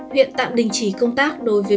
huyện tạm đình chỉ công tác đối với